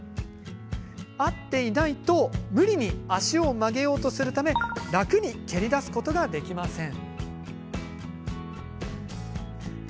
合っていないと無理に足を曲げようとするため楽に蹴り出すことができません。